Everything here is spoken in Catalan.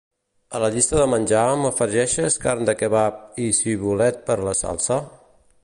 A la llista de menjar, m'afegeixes carn de kebab i cibulet per la salsa?